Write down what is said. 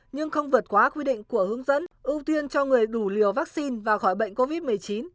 nhưng không vượt quá quy định của hướng dẫn ưu tiên cho người đủ liều vaccine và khỏi bệnh covid một mươi chín